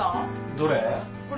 どれ？